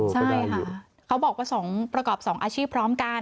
ใช่ค่ะเขาบอกว่า๒ประกอบ๒อาชีพพร้อมกัน